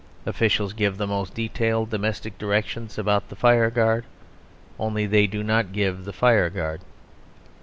Officials give the most detailed domestic directions about the fireguard; only they do not give the fireguard.